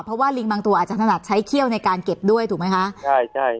เพราะว่าลิงบางตัวอาจจะถนัดใช้เขี้ยวในการเก็บด้วยถูกไหมคะใช่ใช่